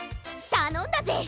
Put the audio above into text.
たのんだぜ！